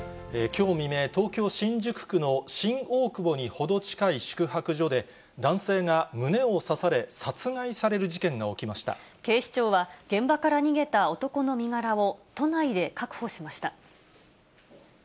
きょう未明、東京・新宿区の新大久保に程近い宿泊所で、男性が胸を刺され、警視庁は、現場から逃げた男の身柄を都内で確保しました。